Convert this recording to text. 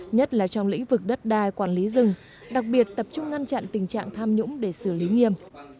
nhất là trong lĩnh vực đất đai quản lý rừng đặc biệt tập trung ngăn chặn tình trạng tham nhũng để xử lý nghiêm